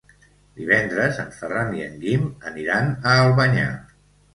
Divendres en Ferran i en Guim aniran a Albanyà.